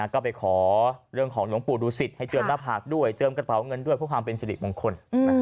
ก็ไปขอเรื่องของหลวงปู่ดูสิตให้เจิมหน้าผากด้วยเจิมกระเป๋าเงินด้วยเพื่อความเป็นสิริมงคล